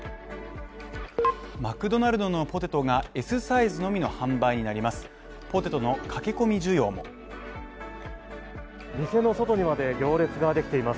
マクドナルドのポテトがＳサイズのみの販売になります。